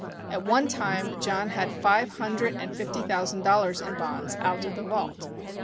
At one time John had five hundred and fifty thousand dollars in bonds out of the vaults.